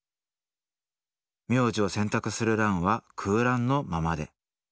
名字を選択する欄は空欄のままで。